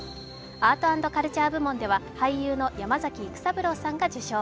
アート＆カルチャー部門では俳優の山崎育三郎さんが受賞。